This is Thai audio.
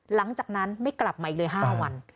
หลังจากนั้นไม่กลับมาอีกเลย๕วัน